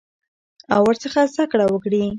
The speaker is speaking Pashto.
او ورڅخه زده کړه وکړي.